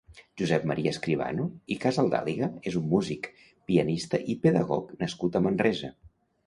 Josep Maria Escribano i Casaldàliga és un músic, pianista i pedagog nascut a Manresa.